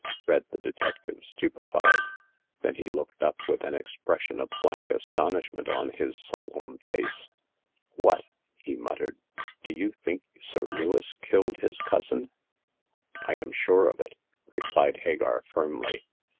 " read the detective, stupefied ; then he looked up with an expression of blank astonishment on his solemn face. What !" he muttered, do you think Sir Lewis killed his cousin ?"I am sure of it !" replied Hagar, firmly.